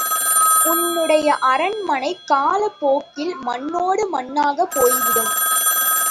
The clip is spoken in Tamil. உன்னுடைய அரண்மனை காலப்போக்கில் மண்ணோடு மண்ணாகப் போய்விடும்.